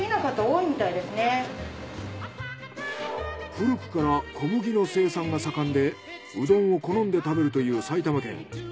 古くから小麦の生産が盛んでうどんを好んで食べるという埼玉県。